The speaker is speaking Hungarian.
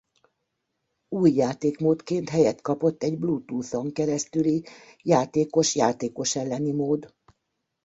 Új játékmódként helyet kapott egy Bluetooth-on keresztüli játékos-játékos elleni mód.